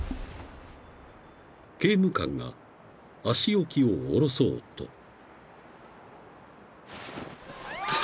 ［刑務官が足置きを下ろそうと］